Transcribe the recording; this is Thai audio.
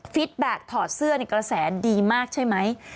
แบ็คถอดเสื้อในกระแสดีมากใช่ไหม